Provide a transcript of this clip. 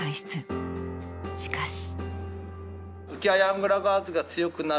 しかし。